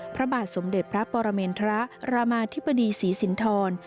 พระบาทสมเด็จพระปรเมนทรรามาธิบดีศรีสินทร